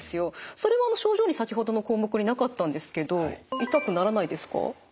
それは症状に先ほどの項目になかったんですけど痛くならないですか？